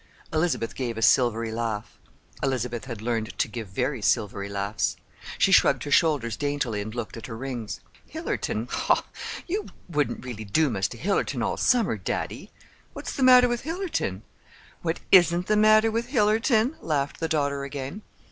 Elizabeth gave a silvery laugh. (Elizabeth had learned to give very silvery laughs.) She shrugged her shoulders daintily and looked at her rings. "Hillerton? Ho! You wouldn't really doom us to Hillerton all summer, daddy." "What's the matter with Hillerton?" "What isn't the matter with Hillerton?" laughed the daughter again.